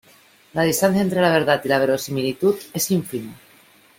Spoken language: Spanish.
La distancia entre la verdad y la verosimilitud es ínfima.